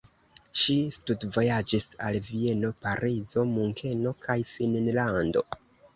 Ŝi studvojaĝis al Vieno, Parizo, Munkeno kaj Finnlando.